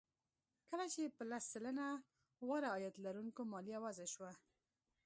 کله چې په لس سلنه غوره عاید لرونکو مالیه وضع شوه